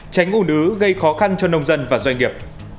tránh ủn ứ gây khó khăn cho nông dân và doanh nghiệp